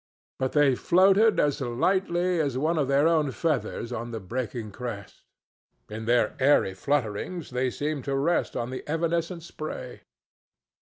But they floated as lightly as one of their own feathers on the breaking crest. In their airy flutterings they seemed to rest on the evanescent spray.